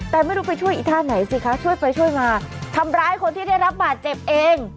แต่ไม่รู้ไปช่วยอีท่าไหนสิคะช่วยไปช่วยมาทำร้ายคนที่ได้รับบาดเจ็บเอง